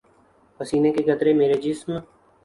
پسینے کے قطرے میرے جسم